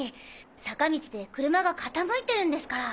坂道で車が傾いてるんですから。